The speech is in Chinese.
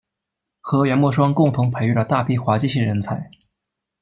和姚慕双共同培育了大批滑稽戏人才。